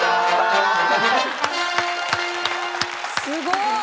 すごい！